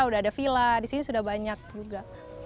sudah ada villa di sini sudah banyak juga